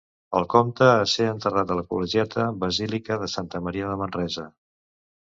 El comte a ser enterrat a la Col·legiata Basílica de Santa Maria de Manresa.